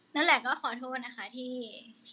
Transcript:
นั่นแหละก็ขอโทษนะคะที่